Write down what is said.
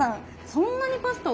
そんなにパスタ